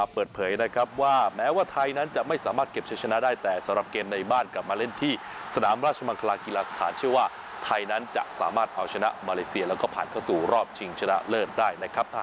พูดถึงเรื่องของไซติในการขันอาเซียนครับ